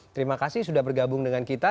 terima kasih sudah bergabung dengan kita